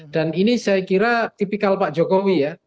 ini saya kira tipikal pak jokowi ya